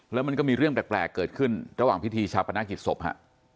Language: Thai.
แล้วมันก็มีเรื่องแปลกเกิดขึ้นระหว่างพิธีชาปนกิจศพฮะ